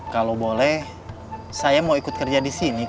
kalau boleh saya mau ikut kerja di sini